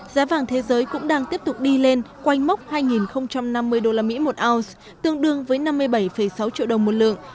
giá vàng thế giới cũng đang tiếp tục đi lên quanh mốc hai năm mươi usd một ounce tương đương với năm mươi bảy sáu triệu đồng một lượng